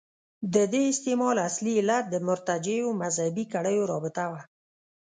د دې استعمال اصلي علت د مرتجعو مذهبي کړیو رابطه وه.